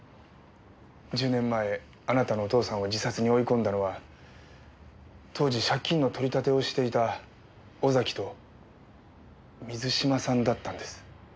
１０年前あなたのお父さんを自殺に追い込んだのは当時借金の取り立てをしていた尾崎と水嶋さんだったんです。